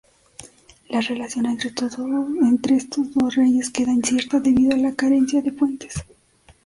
La relación entre estos dos reyes queda incierta, debido a la carencia de fuentes.